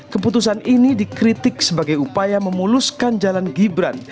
keputusan ini dikritik sebagai upaya memuluskan jalan gibran